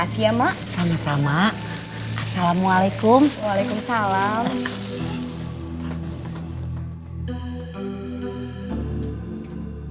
tapi teh saya belum berani